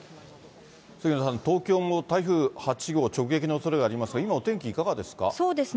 杉野さん、東京も台風８号直撃のおそれがありますが、今、お天気いかがです